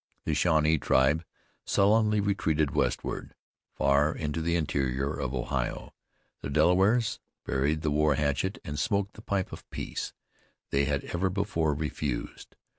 The Shawnee tribe sullenly retreated westward, far into the interior of Ohio; the Delawares buried the war hatchet, and smoked the pipe of peace they had ever before refused.